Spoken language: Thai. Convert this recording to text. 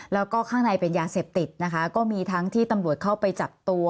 แล้วก็ข้างในเป็นยาเสพติดนะคะก็มีทั้งที่ตำรวจเข้าไปจับตัว